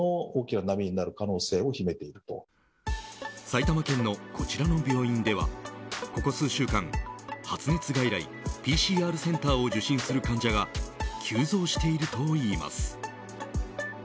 埼玉県のこちらの病院ではここ数週間発熱外来、ＰＣＲセンターを受診する患者が急増しているといいます。